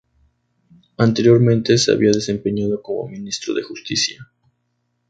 Anteriormente se había desempeñado como ministro de Justicia.